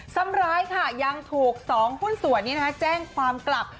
ซ้ำร้ายค่ะยังถูก๒หุ้นส่วนแจ้งความกลับ